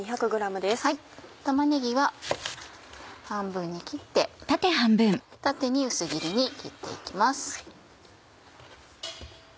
玉ねぎは半分に切って縦に薄切りに切って行きます。